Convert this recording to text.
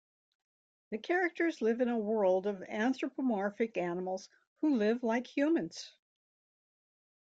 The characters live in a world of anthropomorphic animals who live like humans.